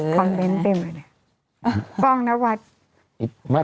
คอมเม้นต์เป็นไหมเนี่ยป้องนะวัด